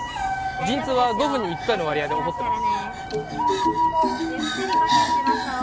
陣痛は５分に１回の割合で起こってます